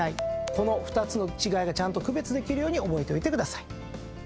この２つの違いがちゃんと区別できるように覚えといてください。